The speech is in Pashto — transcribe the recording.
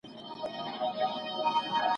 پلار لري نيکه لري